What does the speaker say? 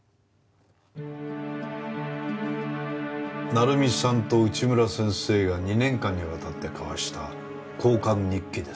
成美さんと内村先生が２年間にわたって交わした交換日記です。